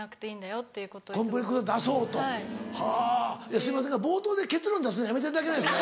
すいませんが冒頭で結論出すのやめていただけないですかね？